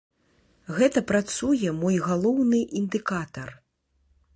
Гэта працуе мой галоўны індыкатар.